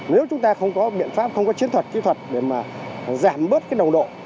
nếu chúng ta không có biện pháp không có chiến thuật kỹ thuật để mà giảm bớt cái nồng độ